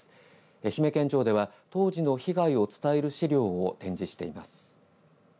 愛媛県庁では当時の被害を伝える資料を展示しています。